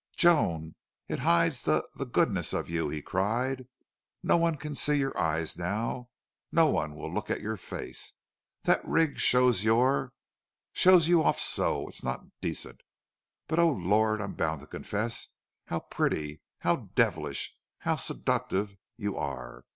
"Joan, it hides the the GOODNESS of you," he cried. "No one can see your eyes now. No one will look at your face. That rig shows your shows you off so! It's not decent.... But, O Lord! I'm bound to confess how pretty, how devilish, how seductive you are!